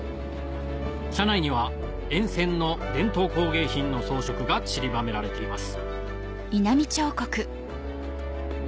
車内には沿線の伝統工芸品の装飾がちりばめられています